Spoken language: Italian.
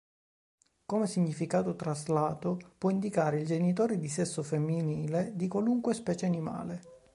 Come significato traslato può indicare il genitore di sesso femminile di qualunque specie animale.